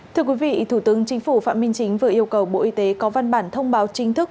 thưa quý vị thủ tướng chính phủ phạm minh chính vừa yêu cầu bộ y tế có văn bản thông báo chính thức